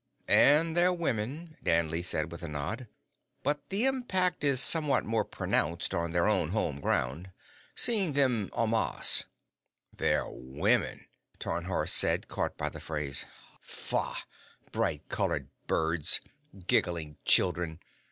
"And their women," Danley said with a nod. "But the impact is somewhat more pronounced on their own home ground seeing them en masse." "Their women!" Tarnhorst said, caught by the phrase. "Fah! Bright colored birds! Giggling children!